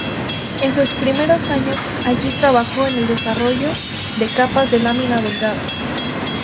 En sus primeros años allí, trabajó en el desarrollo de capas de lámina delgada.